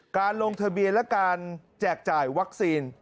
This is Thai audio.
การลงทะเบียนและการแจกจ่ายวัคซีน